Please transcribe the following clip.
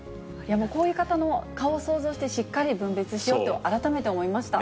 こういう方の顔を想像して、しっかり分別しようと改めて思いました。